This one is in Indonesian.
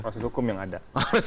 proses hukum yang ada